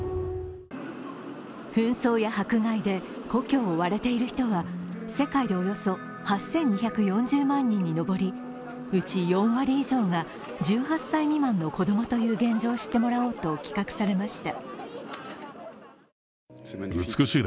紛争や迫害で故郷を追われている人は世界でおよそ８２４０万人に上りうち４割以上が１８歳未満の子供という現状を知ってもらおうと企画されました。